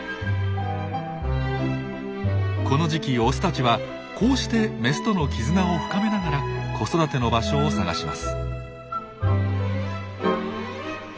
この時期オスたちはこうしてメスとの絆を深めながら子育ての場所を探します。